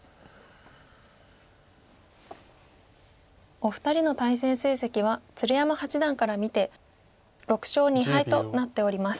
お二人の対戦成績は鶴山八段から見て６勝２敗となっております。